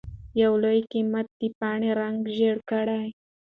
يو لوی قيامت د پاڼې رنګ ژېړ کړ.